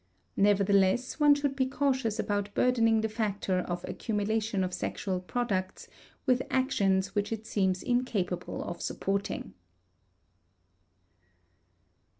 Nevertheless one should be cautious about burdening the factor of accumulation of sexual products with actions which it seems incapable of supporting.